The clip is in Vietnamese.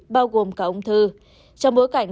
bao gồm cả ông thư trong bối cảnh